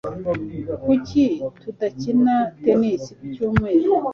Kuki tudakina tennis ku cyumweru